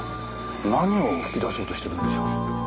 何を聞き出そうとしてるんでしょう？